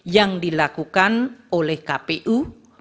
yang dilakukan oleh kpu